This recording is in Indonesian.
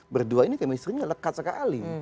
berdua ini kemistrinya lekat sekali